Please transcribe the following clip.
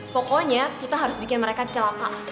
pokoknya kita harus bikin mereka celaka